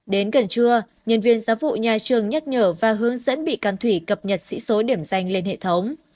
đến gần trưa nhân viên giáo vụ nhà trường nhắc nhở và hướng dẫn bị can thủy cập nhật sĩ số điểm danh lên hệ thống